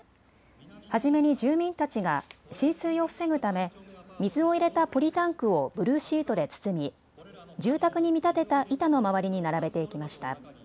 初めに住民たちが浸水を防ぐため水を入れたポリタンクをブルーシートで包み住宅に見立てた板のまわりに並べていきました。